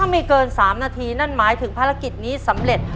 ไม่เกิน๓นาทีนั่นหมายถึงภารกิจนี้สำเร็จ